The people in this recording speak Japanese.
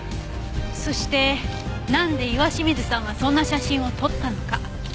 そしてなんで岩清水さんはそんな写真を撮ったのか。